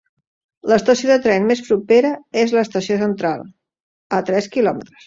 L'estació de tren més propera és l'estació Central, a tres quilòmetres.